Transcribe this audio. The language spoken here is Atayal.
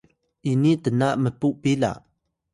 ini tna mpu pila